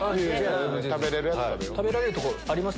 食べられるとこあります？